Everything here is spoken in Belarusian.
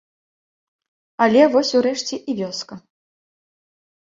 Але вось урэшце і вёска.